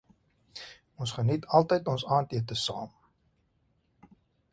Ons geniet altyd ons aandete saam.